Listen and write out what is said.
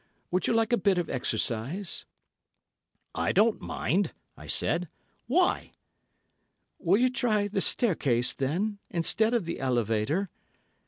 Would you like a bit of exercise?" "I don't mind," I said. "Why?" "Will you try the staircase, then, instead of the elevator?